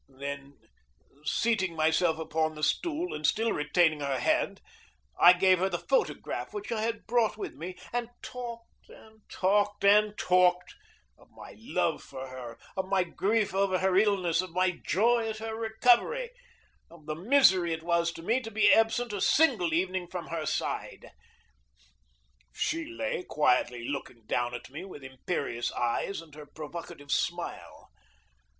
Then, seating myself upon the stool, and still retaining her hand, I gave her the photograph which I had brought with me, and talked and talked and talked of my love for her, of my grief over her illness, of my joy at her recovery, of the misery it was to me to be absent a single evening from her side. She lay quietly looking down at me with imperious eyes and her provocative smile.